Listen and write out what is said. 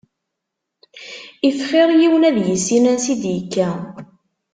If xir yiwen ad yissin ansi id-yekka.